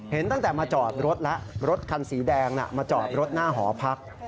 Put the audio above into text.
ตั้งแต่มาจอดรถแล้วรถคันสีแดงมาจอดรถหน้าหอพัก